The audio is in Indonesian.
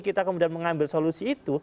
kita kemudian mengambil solusi itu